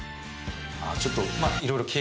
あちょっとまあ。